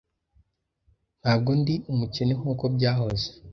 Ntabwo ndi umukene nkuko byahoze.